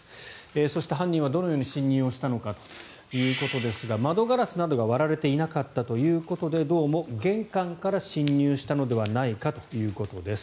そして、犯人はどのように侵入したのかですが窓ガラスなどが割られていなかったということでどうも玄関から侵入したのではないかということです。